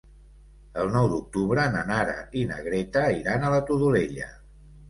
El nou d'octubre na Nara i na Greta iran a la Todolella.